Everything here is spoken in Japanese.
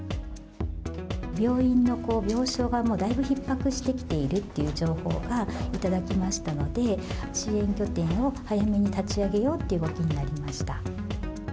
病院の病床がもう、だいぶひっ迫してきているという情報がいただきましたので、支援拠点を早めに立ち上げようっていうことになりました。